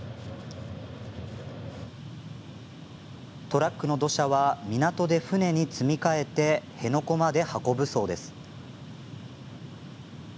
トラックの土砂は港で船に積み替えて辺野古まで運ぶそうです。